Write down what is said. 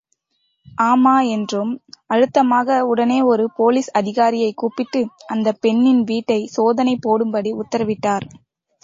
ஆமா என்றோம் அழுத்தமாக உடனே ஒரு போலீஸ் அதிகாரியைக் கூப்பிட்டு அந்தப் பெண்ணின் வீட்டைச்சோதனை போடும்படி உத்தரவிட்டார்.